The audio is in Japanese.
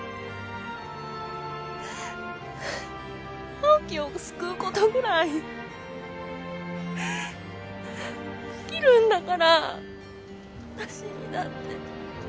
直季を救うことぐらいできるんだからわたしにだって。